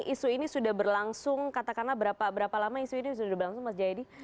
isu ini sudah berlangsung katakanlah berapa lama isu ini sudah berlangsung mas jayadi